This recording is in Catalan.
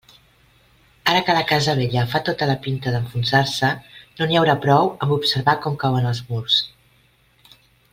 Ara que la casa vella fa tota la pinta d'enfonsar-se, no n'hi haurà prou amb observar com cauen els murs.